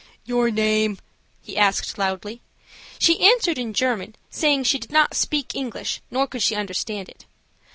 "Your name?" he asked, loudly. She answered in German, saying she did not speak English nor could she understand it.